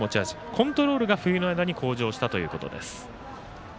コントロールが冬の間に向上したということです。